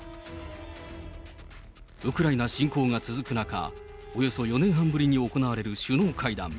ウクライナ侵攻が続く中、およそ４年半ぶりに行われる首脳会談。